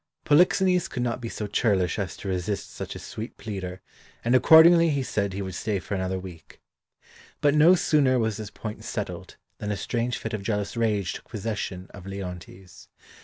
Polixenes could not be so churlish as to resist such a sweet pleader, and accordingly he said he would stay for another week. But no sooner was this point settled than a strange fit of jealous rage took possession of Leontes.